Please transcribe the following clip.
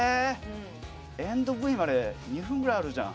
エンドＶまで２分くらいあるじゃん。